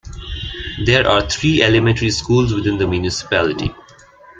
There are three elementary schools within the municipality.